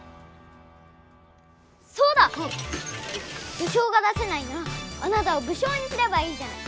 武将が出せないならあなたを武将にすればいいじゃない！